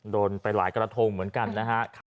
โดนไปหลายกระทงเหมือนกันนะฮะ